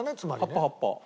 葉っぱ葉っぱ。